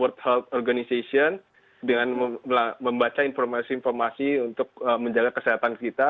dan juga dengan world health organization dengan membaca informasi informasi untuk menjaga kesehatan kita